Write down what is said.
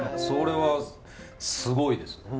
それはすごいです。